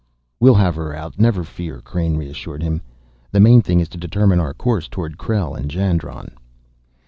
"We'll have her out, never fear," Crain reassured him. "The main thing is to determine our course toward Krell and Jandron."